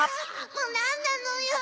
もうなんなのよ。